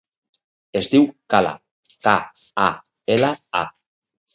Es diu Kala: ca, a, ela, a.